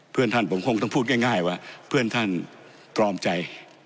เพื่อนท่านผมคงต้องพูดง่ายว่าเพื่อนท่านตรอมใจ